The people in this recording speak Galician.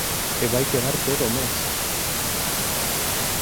E vai quedar todo o mes!